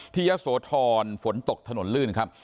ยะโสธรฝนตกถนนลื่นครับ